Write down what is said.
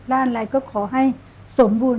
ร่านไร้ก็ขอให้สมบูรณ์